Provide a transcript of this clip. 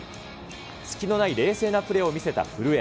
隙のない冷静なプレーを見せた古江。